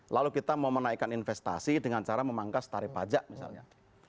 lalu kita mau menaikkan investasi dengan cara memangkas tarif pajak misalnya